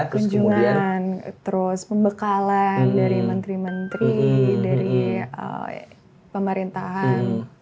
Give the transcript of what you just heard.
kunjungan terus pembekalan dari menteri menteri dari pemerintahan